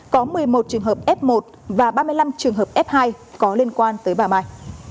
có một mươi một trường hợp f một và ba mươi năm trường hợp f hai có liên quan tới bà mai